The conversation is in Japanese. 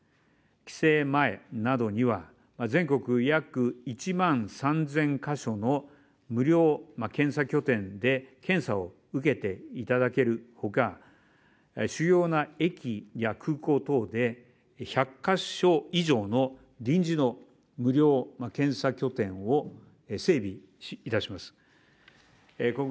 帰省前などには全国約１万３０００カ所の無料検査拠点で検査を受けていただけるほか、主要な駅や空港等で１００カ所以上の臨時の無料検査拠点を整備いたします。